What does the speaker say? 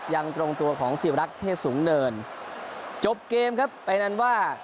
ยังตรงตัวของศิวรักษ์เทศสูงเนินจบเกมครับไปนันว่า